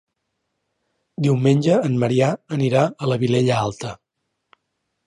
Diumenge en Maria anirà a la Vilella Alta.